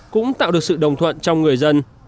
cũng tạo được sự đồng thuận trong người dân